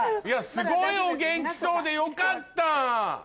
すごいお元気そうでよかった。